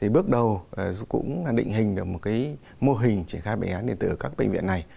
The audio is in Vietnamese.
bước đầu cũng định hình được một mô hình triển khai bệnh án điện tử ở các bệnh viện này